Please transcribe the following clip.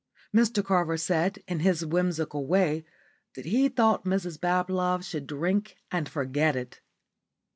Mr Carver said, in his whimsical way, that he thought Mrs Bablove should drink and forget it.